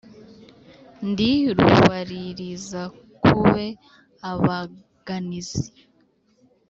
Ndi rubalirizakobe abaganizi.